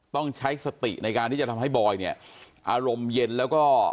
ต้องใช้สติในการที่จะทำให้บอยเนี่ยอารมณ์เย็นแล้วก็